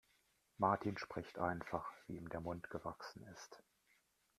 Martin spricht einfach, wie ihm der Mund gewachsen ist.